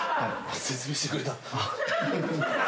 説明してくれた。